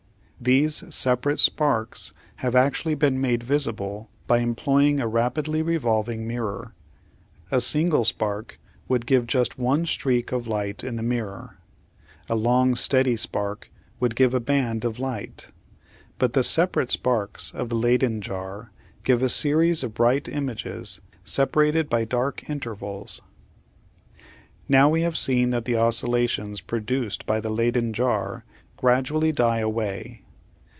These separate sparks have actually been made visible by employing a rapidly revolving mirror. A single spark would give just one streak of light in the mirror. A long steady spark would give a band of light, but the separate sparks of the Leyden jar give a series of bright images separated by dark intervals (see Fig. 3 facing p. 828). Now we have seen that the oscillations produced by the Leyden jar gradually die away.